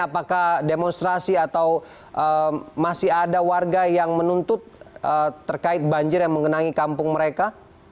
apakah demonstrasi atau masih ada warga yang menuntut terkait banjir yang mengenangi kampung mereka